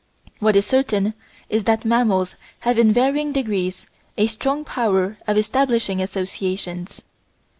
What is certain is that mammals have in varying degrees a strong power of establishing associations.